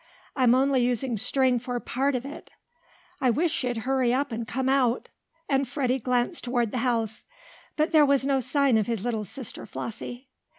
I'm only using string for part of it. I wish she'd hurry up and come out!" and Freddie glanced toward the house. But there was no sign of his little sister Flossie.